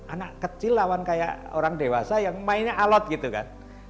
anak kecil lawan kayak orang dewasa yang mainnya alot gitu kan